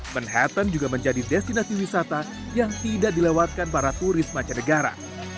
manhattan juga menjadi destinasi wisata yang tidak dilewatkan para turis mancanegara